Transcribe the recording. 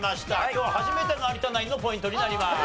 今日初めての有田ナインのポイントになります。